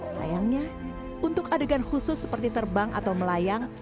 sayangnya untuk adegan khusus seperti terbang atau melayang